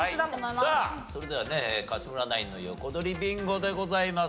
さあそれではね勝村ナインの横取りビンゴでございます。